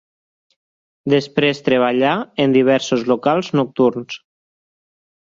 Després treballà en diversos locals nocturns.